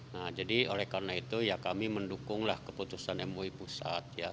nah jadi oleh karena itu ya kami mendukunglah keputusan mui pusat ya